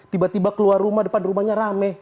tiba tiba keluar rumah depan rumahnya rame